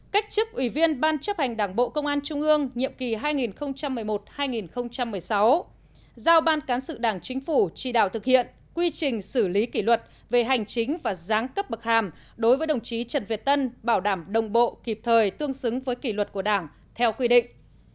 một cách chức ủy viên ban chấp hành đảng bộ công an trung ương nhiệm kỳ hai nghìn một mươi một hai nghìn một mươi sáu giao ban cán sự đảng chính phủ chỉ đạo thực hiện quy trình xử lý kỷ luật về hành chính và giáng cấp bậc hàm đối với đồng chí trần việt tân bảo đảm đồng bộ kịp thời tương xứng với kỷ luật của đảng theo quy định